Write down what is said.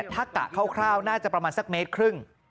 ถ้ากะคร่าวน่าจะประมาณ๑๕เมตร